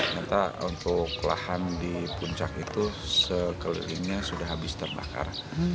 ternyata untuk lahan di puncak itu sekelilingnya sudah habis terbakar